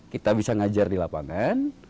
kita bisa ngajar di lapangan